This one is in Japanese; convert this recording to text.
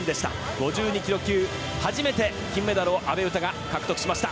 ５２ｋｇ級、初めて金メダルを阿部詩が獲得しました。